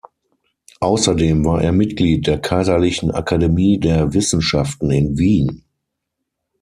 Außerdem war er Mitglied der kaiserlichen Akademie der Wissenschaften in Wien.